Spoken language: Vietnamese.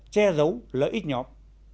che giấu lợi ích nhóm